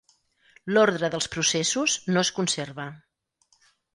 L'ordre dels processos no es conserva.